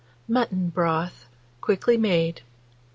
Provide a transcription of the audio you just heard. MUTTON BROTH, QUICKLY MADE.